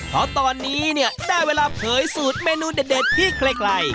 เพราะตอนนี้เนี่ยได้เวลาเผยสูตรเมนูเด็ดที่ใคร